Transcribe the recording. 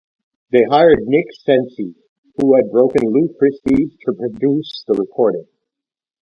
They hired Nick Cenci, who had broken Lou Christie, to produce the recording.